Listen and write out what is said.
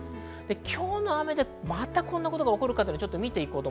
今日の雨でまたこんな事が起こるのか見ていきます。